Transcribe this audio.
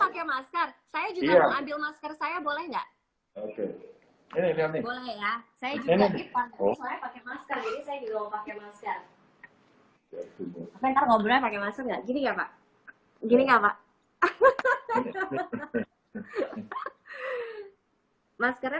pakai masker saya juga ambil masker saya boleh enggak boleh ya saya juga pakai masker pakai